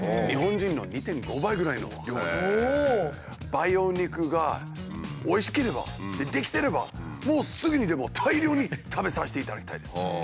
培養肉がおいしければ出来てればもうすぐにでも大量に食べさせていただきたいです。